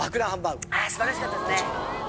あ素晴らしかったですね。